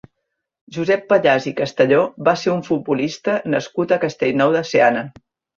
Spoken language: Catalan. Josep Pallàs i Castelló va ser un futbolista nascut a Castellnou de Seana.